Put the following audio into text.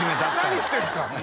何してんすか？